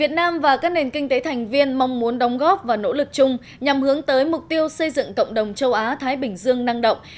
việt nam và các nền kinh tế thành viên mong muốn đóng góp và nỗ lực chung nhằm hướng tới mục tiêu xây dựng cộng đồng châu á thái bình dương năng động